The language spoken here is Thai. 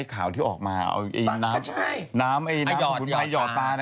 ไอ้ขาวที่ออกมาเอาอีนน้ำไอดอนเหยาะตา